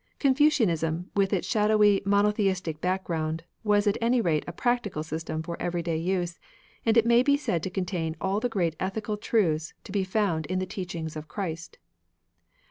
Confucianism, with its shadowy monotheistic background, was at any rate a practical system for everyday use, and it may be said to contain all the great ethical truths to be f oimd in the teachings of Christ.